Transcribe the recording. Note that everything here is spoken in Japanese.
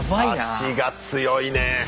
足が強いねえ。